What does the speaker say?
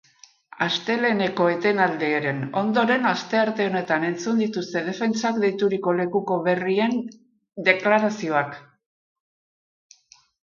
Asteleheneko etenaldiaren ondoren, astearte honetan entzun dituzte defentsak deituriko lekuko berrien deklarazioak.